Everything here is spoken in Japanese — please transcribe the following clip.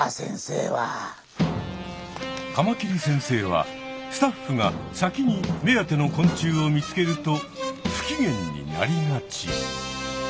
カマキリ先生はスタッフが先に目当ての昆虫を見つけるとふきげんになりがち。